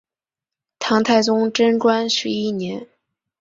唐太宗贞观十一年。